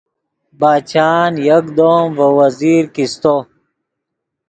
باچآن یکدم ڤے یو وزیر کیستو